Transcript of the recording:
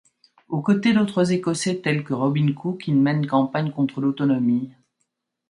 Aux côtés d'autres Écossais tels que Robin Cook, il mène campagne contre l'autonomie.